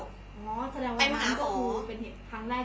อ๋อแสดงว่ำันแสดงว่ามันเป็นเหตุครั้งแรกที่น้องออกไปเอง